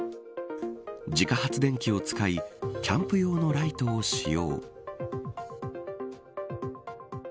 自家発電機を使いキャンプ用のライトを使用。